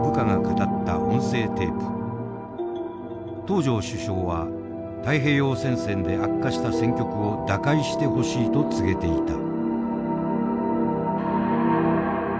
東條首相は太平洋戦線で悪化した戦局を打開してほしいと告げていた。